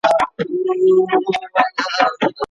حقوقو پوهنځۍ په غلطه توګه نه تشریح کیږي.